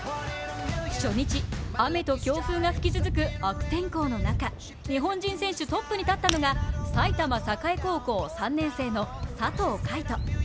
初日、雨と強風が吹き続く悪天候の中、日本人選手トップに立ったのが埼玉栄高校３年生の佐藤快斗。